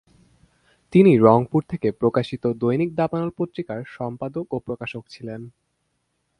তিনি রংপুর থেকে প্রকাশিত দৈনিক দাবানল পত্রিকার সম্পাদক ও প্রকাশক ছিলেন।